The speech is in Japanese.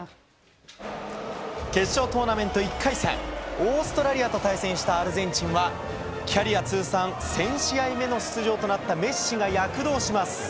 決勝トーナメント１回戦、オーストラリアと対戦したアルゼンチンは、キャリア通算１０００試合目の出場となったメッシが躍動します。